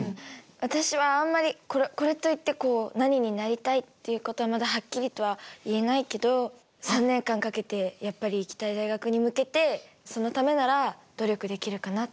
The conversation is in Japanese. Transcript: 私はあんまりこれといってこう何になりたいっていうことはまだはっきりとは言えないけど３年間かけてやっぱり行きたい大学に向けてそのためなら努力できるかなって思います。